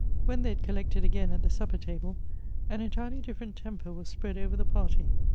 When they had collected again at the supper table, an entirely different temper was spread over the party.